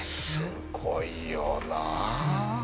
すごいよな。